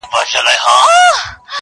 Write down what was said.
مکمل یې خپل تحصیل په ښه اخلاص کئ,